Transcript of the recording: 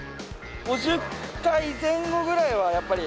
５０回前後ぐらいはやっぱり。